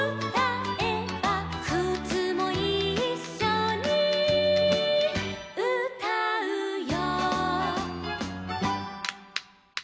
「くつもいっしょにうたうよ」